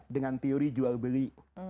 dengan teori jual beli